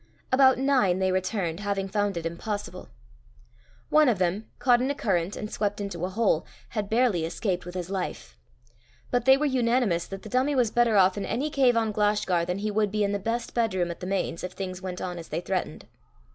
About nine they returned, having found it impossible. One of them, caught in a current and swept into a hole, had barely escaped with his life. But they were unanimous that the dummie was better off in any cave on Glashgar than he would be in the best bed room at the Mains, if things went on as they threatened.